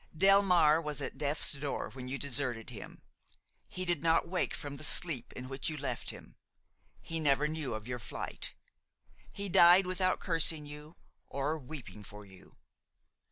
"Delmare was at death's door when you deserted him: he did not wake from the sleep in which you left him, he never knew of your flight, he died without cursing you or weeping for you.